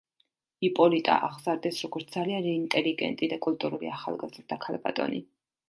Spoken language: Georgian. იპოლიტა აღზარდეს როგორც ძალიან ინტელიგენტი და კულტურული ახალგაზრდა ქალბატონი.